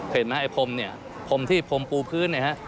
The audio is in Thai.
เห็นไหมไอ้พรมเนี่ยพรมที่พรมปูพื้นเนี่ยฮะ